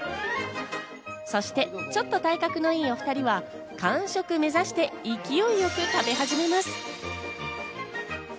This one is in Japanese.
そしてちょっと体格のいいお２人は完食目指して勢いよく食べ始めます。